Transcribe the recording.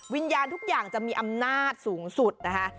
วิญญาณทุกอย่างจะมีอำนาจสูงสุดนะคะ